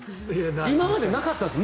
今までなかったんです。